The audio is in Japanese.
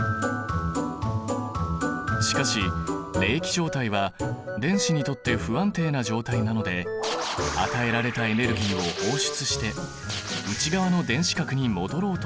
しかし励起状態は電子にとって不安定な状態なので与えられたエネルギーを放出して内側の電子殻に戻ろうとする。